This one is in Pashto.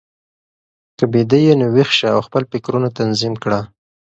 که بیده یې، نو ویښ شه او خپل فکرونه تنظیم کړه.